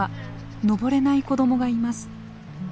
登れない子どもがいます。